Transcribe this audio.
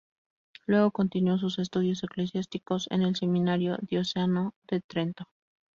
Luego continuó sus estudios eclesiásticos en el Seminario Diocesano de Trento.